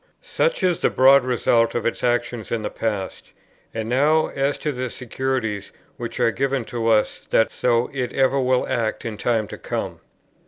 Such is the broad result of its action in the past; and now as to the securities which are given us that so it ever will act in time to come.